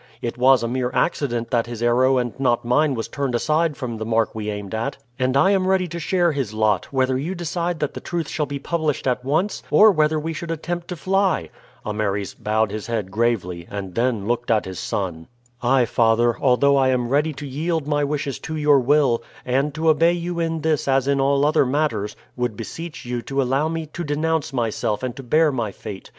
It was a mere accident that his arrow and not mine was turned aside from the mark we aimed at, and I am ready to share his lot, whether you decide that the truth shall be published at once, or whether we should attempt to fly." Ameres bowed his head gravely, and then looked at his son. "I, father, although I am ready to yield my wishes to your will, and to obey you in this as in all other matters, would beseech you to allow me to denounce myself and to bear my fate.